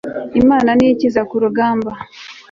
imana niyo ikiza ku rugamba